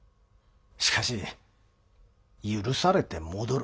しかし許されて戻る。